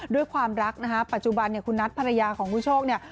ด้วยความรักนะฮะปัจจุบันเนี่ยคุณนัทภรรยาของคุณโชคเนี่ย